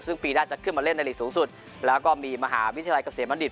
ซึ่งปีหน้าจะขึ้นมาเล่นในหลีกสูงสุดแล้วก็มีมหาวิทยาลัยเกษมบัณฑิต